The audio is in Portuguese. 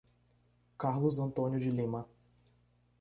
Carlos Antônio de Lima